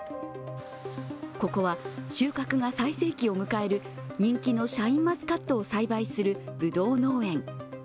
ここは収穫が最盛期を迎える人気のシャインマスカットを栽培するぶどう農園。